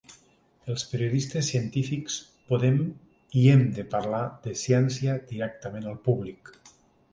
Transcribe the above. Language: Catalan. Els periodistes científics podem i hem de parlar de ciència directament al públic.